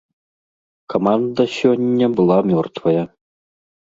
Каманда сёння была мёртвая.